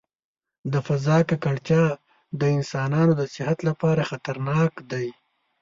د فضا ککړتیا د انسانانو د صحت لپاره خطرناک دی.